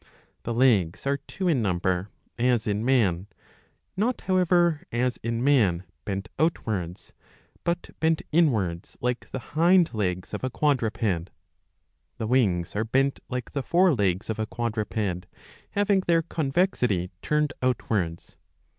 ^ The legs are two in number, as in man ; not however, as in man, bent outwards, but bent inwards like the hind legs of a quadruped.^" The wings are bent like the fore legs of a quadruped, having their convexity turned outwards.